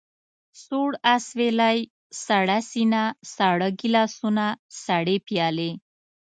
سوړ اسوېلی، سړه سينه، ساړه ګيلاسونه، سړې پيالې.